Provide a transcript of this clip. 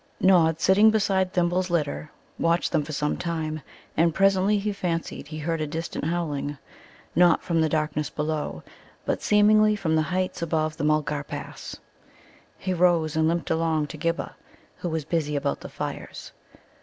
Nod, sitting beside Thimble's litter, watched them for some time, and presently he fancied he heard a distant howling, not from the darkness below, but seemingly from the heights above the Mulgar pass. He rose and limped along to Ghibba, who was busy about the fires.